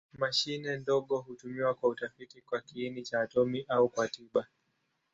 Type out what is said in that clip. Mashine ndogo hutumiwa kwa utafiti kwa kiini cha atomi au kwa tiba.